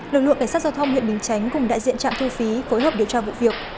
lực lượng cảnh sát giao thông huyện bình chánh cùng đại diện trạm thu phí phối hợp điều tra vụ việc